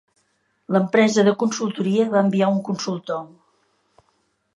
L'empresa de consultoria va enviar un consultor.